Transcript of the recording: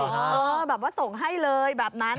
แบบว่าส่งให้เลยแบบนั้น